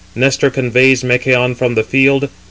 Nestor conveys Machaon from the field.